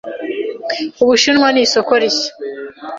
Ubushinwa nisoko rishya.